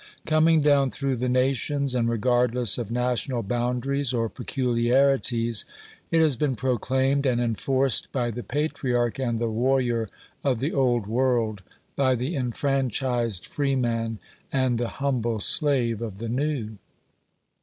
Coming down through the nations, and regardless of national boundaries or peculiarities, it has been proclaimed and enforced by the patriarch and the warrior of the Old World, by the enfranchised freeman and the humble slave of the New.